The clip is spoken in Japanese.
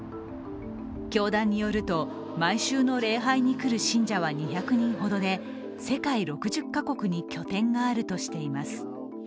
教団によると毎週の礼拝に来る信者は２００人ほどで、世界６０か国に拠点があるとしています。